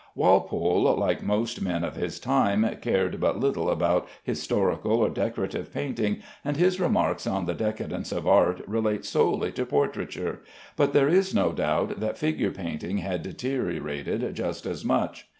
Walpole, like most men of his time, cared but little about historical or decorative painting, and his remarks on the decadence of art relate solely to portraiture, but there is no doubt that figure painting had deteriorated just as much.